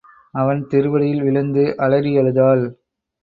அவன் திருவடியில் விழுந்து அலறி அழுதாள்.